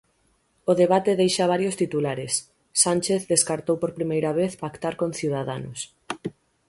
O debate deixa varios titulares: Sánchez descartou por primeira vez pactar con Ciudadanos.